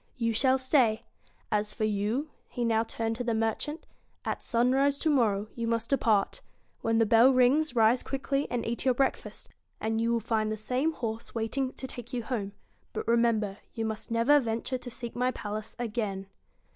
* You shall stay. As for you,' he now turned to the merchant, ' at sunrise, to morrow, you must depart. When the bell rings, rise quickly and eat your breakfast, and you will find the same horse wait $8 ing to take you home; but remember, you must BEAUTY never venture to seek my palace again.'